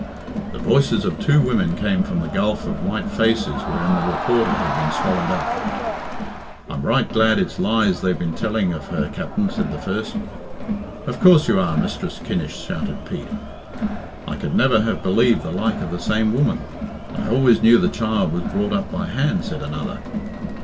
The voices of two women came from the gulf of white faces wherein the reporter had been swallowed up. "I'm right glad it's lies they've been telling of her, Capt'n," said the first. "Of coorse you are, Mistress Kinnish," shouted Pete. "I could never have believed the like of the same woman, and I always knew the child was brought up by hand," said the other.